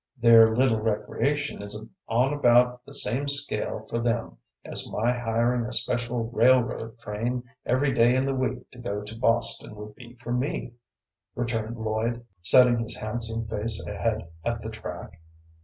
"Their little recreation is on about the same scale for them as my hiring a special railroad train every day in the week to go to Boston would be for me," returned Lloyd, setting his handsome face ahead at the track.